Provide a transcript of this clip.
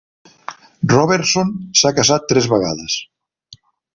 Robertson s'ha casat tres vegades.